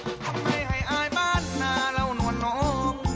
ทำไมให้อายบ้านหน้าเรานวลน้อง